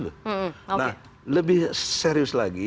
lebih serius lagi